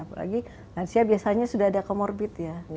apalagi lansia biasanya sudah ada komorbit